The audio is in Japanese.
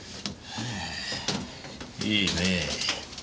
いいねぇ。